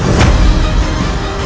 kau tidak bisa menang